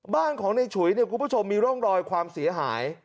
บ้านของในฉุยเนี่ยคุณผู้ชมมีร่องรอยความเสียหาย